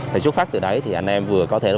thì xuất phát từ đấy thì anh em vừa có thể là